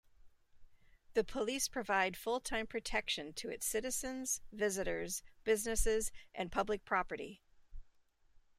The police provide full-time protection to its citizens, visitors, businesses, and public property.